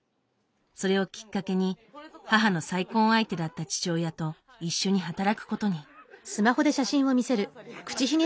それをきっかけに母の再婚相手だった父親と一緒に働くことに。